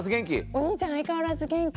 お兄ちゃん相変わらず元気。